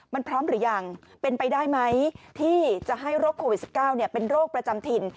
มันพร้อมหรือยังเป็นไปได้ไหมที่จะให้โรคโควิด๑๙เป็นโรคประจำถิ่น